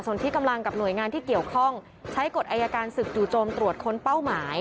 ส่วนที่กำลังกับหน่วยงานที่เกี่ยวข้องใช้กฎอายการศึกจู่โจมตรวจค้นเป้าหมาย